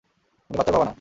উনি বাচ্চার বাবা না।